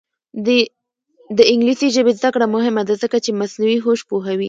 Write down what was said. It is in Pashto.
د انګلیسي ژبې زده کړه مهمه ده ځکه چې مصنوعي هوش پوهوي.